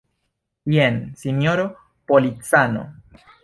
Jen, sinjoro policano.